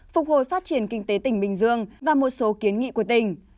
phục hồi phát triển kinh tế tỉnh bình dương và một số kiến nghị của tỉnh